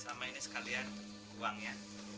sama ini sekalian uangnya